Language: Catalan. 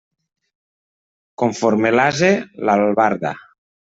Conforme l'ase, l'albarda.